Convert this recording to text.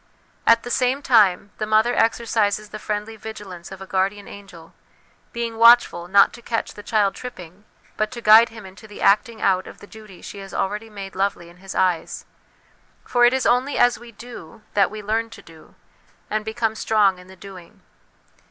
At the same time, the mother exercises the friendly vigilance of a guardian angel, being watchful, not to catch the child tripping, but to guide him into the acting out of the duty she has already made lovely in his eyes ; for it is only as we do that we learn to do, and become strong in the doing.